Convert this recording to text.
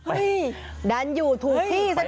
อันนั้นไง